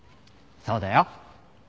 そうだよ。